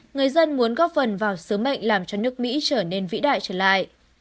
người dân muốn góp phần vào sứ mệnh làm cho nước mỹ trở nên vĩ đại trở lại